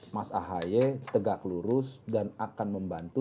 mas ahy tegak lurus dan akan membantu